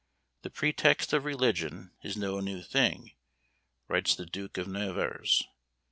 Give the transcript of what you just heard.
"The pretext of religion is no new thing," writes the Duke of Nevers.